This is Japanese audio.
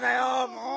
もう！